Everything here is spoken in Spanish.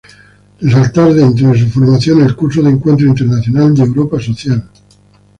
Resaltar dentro de su formación el curso de Encuentro Internacional de Europa Social.